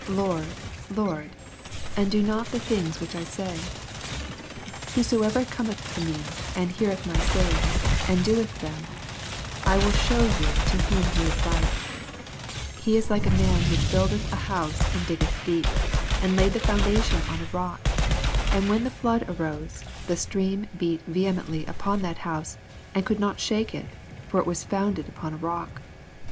Lord, Lord, and do not the things waich I say ? 47 Whosoever cometh to me, and heapsth my sayings, and doeth tnem, I will shew you to whom he is like : 48 He is like a man which built on hoase, and digged deep, and laid the foundation on a rock : and when the flood arose, the stream beat vehement 'y upon that house, and could not shake it : for it was founded upon a rock.